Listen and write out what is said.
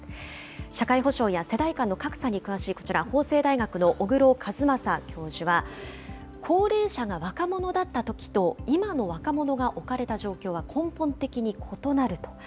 社会保障や世代間の格差に詳しいこちら、法政大学の小黒一正教授は、高齢者が若者だったときと、今の若者が置かれた状況は根本的に異なると。